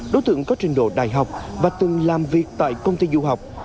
đối tượng có trình độ đại học và từng làm việc tại công ty du học